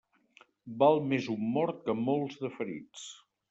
Val més un mort que molts de ferits.